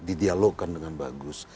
didialogkan dengan bagus